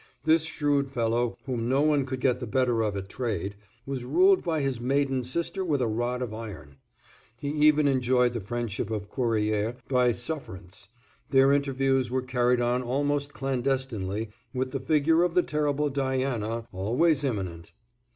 This shrewd fellow, whom no one could get the better of at trade, was ruled by his maiden sister with a rod of iron. He even enjoyed the friendship of Cuerrier by sufferance; their interviews were carried on almost clandestinely, with the figure of the terrible Diana always imminent.